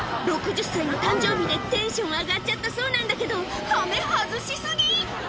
６０歳の誕生日でテンション上がっちゃったそうなんだけど羽目外し過ぎ！